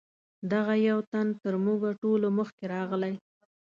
دغه یو تن تر موږ ټولو مخکې راغلی.